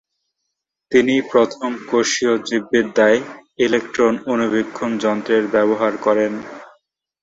তিনিই প্রথম কোষীয় জীববিদ্যায় ইলেকট্রন অণুবীক্ষণ যন্ত্রের ব্যবহার করেন।